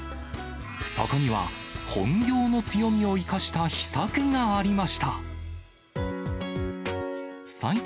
そこには本業の強みを生かした秘策がありました。